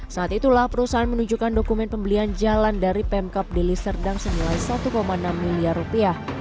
saat itulah perusahaan menunjukkan dokumen pembelian jalan dari pemkap deli serdang senilai satu enam miliar rupiah